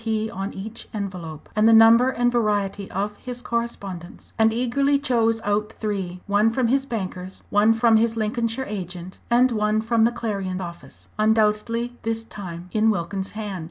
P. on each envelope and the number and variety of his correspondence and eagerly chose out three one from his bankers, one from his Lincolnshire agent, and one from the Clarion office, undoubtedly this time in Wilkins's hand.